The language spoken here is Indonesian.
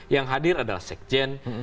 yang hadir adalah sekjen